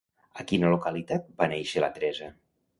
A quina localitat va néixer la Teresa?